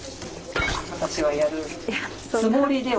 私はやるつもりではいる。